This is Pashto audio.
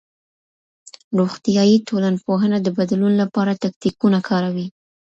روغتيائي ټولنپوهنه د بدلون لپاره تکتيکونه کاروي.